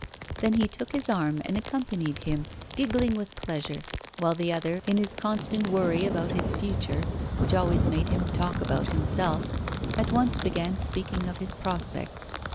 Then he took his arm and accompanied him, giggling with pleasure, while the other, in his constant worry about his future, which always made him talk about himself, at once began speaking of his prospects.